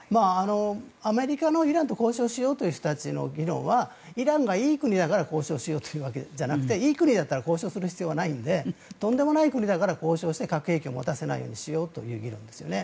アメリカの、イランと交渉しようとする人の議論はイランがいい国だから交渉しようというわけじゃなくていい国だったら交渉する必要はないのでとんでもない国だから交渉して核兵器を持たせないようにしようという議論ですよね。